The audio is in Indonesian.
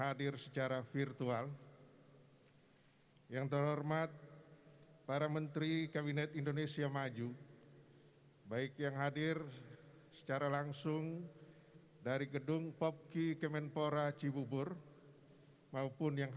jadi ditunda tapi pastinya akan lebih keren